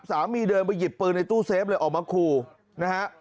เดินไปหยิบปืนในตู้เซฟเลยออกมาขู่นะฮะ